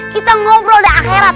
kita ngobrol di akhirat